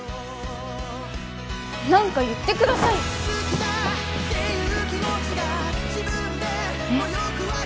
何か言ってくださいえっ？